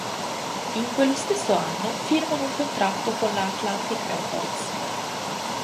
In quello stesso anno firmano un contratto con la Atlantic Records.